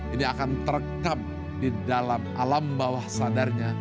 ini akan terekam di dalam alam bawah sadarnya